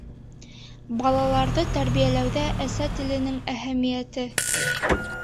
Балаларҙы тәрбиәләүҙә әсә теленең әһәмиәте.